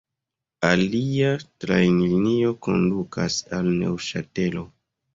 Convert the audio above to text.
Alia trajnlinio kondukas al Neŭŝatelo.